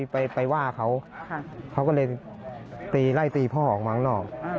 ไปว่าเขาเขาก็เลยตีไล่ตีพ่อออกมาข้างนอก